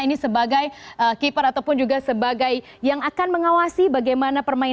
ini sebagai keeper ataupun juga sebagai yang akan mengawasi bagaimana permainan